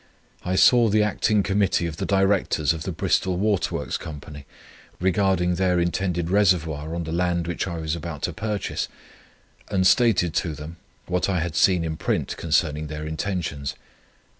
I saw the Acting Committee of the Directors of the Bristol Waterworks Company regarding their intended reservoir on the land, which I was about to purchase, and stated to them, what I had seen in print concerning their intentions.